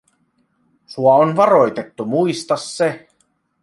Sua on varoitettu, muista se!"